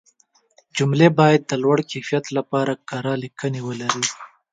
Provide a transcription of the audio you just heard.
جملې باید د لوړ کیفیت لپاره کره لیکنې ولري.